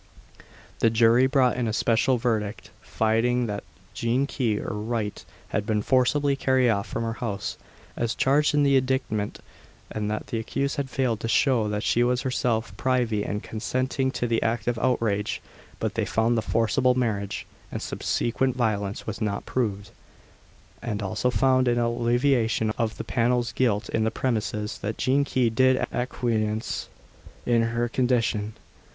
The jury brought in a special verdict, finding that Jean Key, or Wright, had been forcibly carried off from her house, as charged in the indictment, and that the accused had failed to show that she was herself privy and consenting to this act of outrage. But they found the forcible marriage, and subsequent violence, was not proved; and also found, in alleviation of the panel's guilt in the premises, that Jean Key did afterwards acquiesce in her condition.